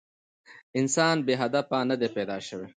انسان بې هدفه نه دی پيداشوی